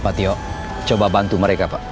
patio coba bantu mereka pak